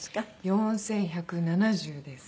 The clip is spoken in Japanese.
４１７０です。